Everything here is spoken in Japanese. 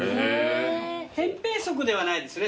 扁平足ではないですね。